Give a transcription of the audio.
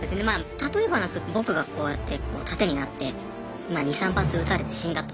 例えばなんですけど僕がこうやってこう盾になってまあ２３発撃たれて死んだと。